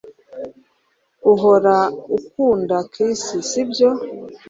Uhora ukunda Chris sibyo